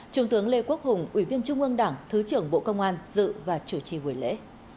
trung tướng lê quốc hùng ủy viên trung ương đảng thứ trưởng bộ công an dự và chủ trì buổi lễ